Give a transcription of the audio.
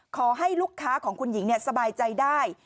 ขอให้ลูกค้าของคุณหญิงสบายใจได้